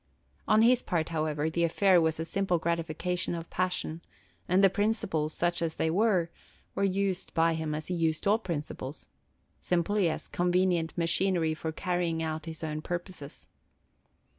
On his part, however, the affair was a simple gratification of passion, and the principles, such as they were, were used by him as he used all principles, – simply as convenient machinery for carrying out his own purposes.